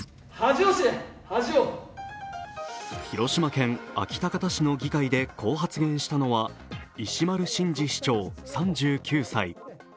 広島県安芸高田市の議会で、こう発言したのは、石丸伸二市長３９歳。